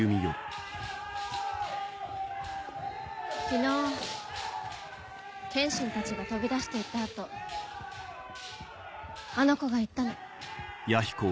昨日剣心たちが飛び出して行った後あの子が言ったの。